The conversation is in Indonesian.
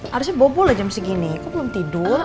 harusnya bobo loh jam segini kok belum tidur